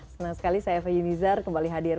senang sekali saya eva yunizar kembali hadir